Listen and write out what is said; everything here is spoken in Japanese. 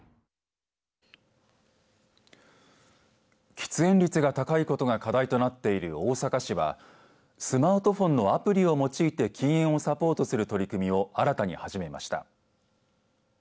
喫煙率が高いことが課題となっている大阪市はスマートフォンのアプリを用いて禁煙をサポートする取り組みを新たに始めました。